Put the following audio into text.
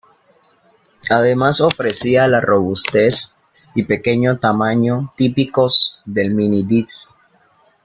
Además ofrecía la robustez y pequeño tamaño típicos del minidisc.